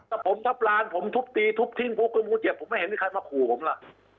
แต่ผมทัพลานผมทุบตีทุบทิ้งพวกคุณผู้เจ็บผมไม่เห็นที่ใครมาขู่ผมล่ะ